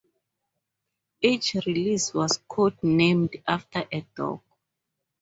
Each release was codenamed after a dog.